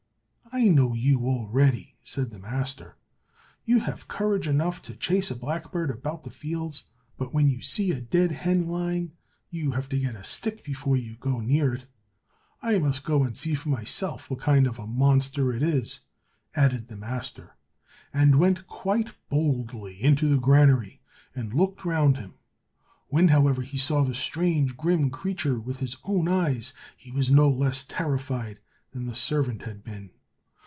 "I know you already," said the master, "you have courage enough to chase a blackbird about the fields, but when you see a dead hen lying, you have to get a stick before you go near it. I must go and see for myself what kind of a monster it is," added the master, and went quite boldly into the granary and looked round him. When, however, he saw the strange grim creature with his own eyes, he was no less terrified than the servant had been.